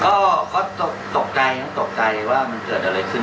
ก็ตกใจครับตกใจว่ามันเกิดอะไรขึ้น